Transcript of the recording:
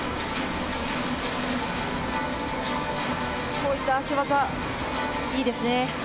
こういった脚技、いいですね。